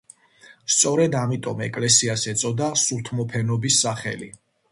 სწორედ ამიტომ ეკლესიას ეწოდა სულთმოფენობის სახელი.